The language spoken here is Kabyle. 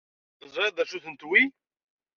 Teẓriḍ d acu-ten wi?